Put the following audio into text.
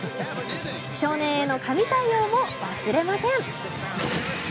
少年への神対応も忘れません。